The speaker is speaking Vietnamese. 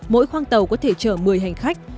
mỗi khoang tàu có thể chở một mươi hành khách